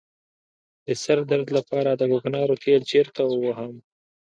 د سر درد لپاره د کوکنارو تېل چیرته ووهم؟